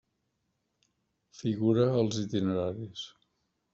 Figura als Itineraris.